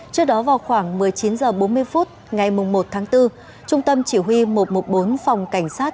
trước đó vào khoảng một mươi chín h bốn mươi phút ngày một tháng bốn trung tâm chỉ huy một trăm một mươi bốn phòng cảnh sát